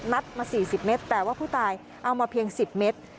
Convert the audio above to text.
นัดมา๔๐เมตรแต่ว่าผู้ตายเอามาเพียง๑๐เมตร